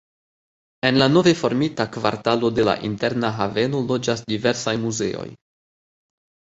En la nove formita kvartalo de la Interna Haveno loĝas diversaj muzeoj.